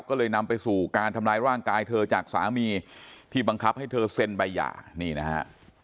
ก็เลยนำไปสู่การทำร้ายร่างกายเธอจากสามีที่บังคับให้เธอเซ็นใบหย่านี่นะฮะ